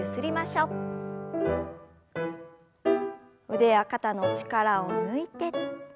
腕や肩の力を抜いて。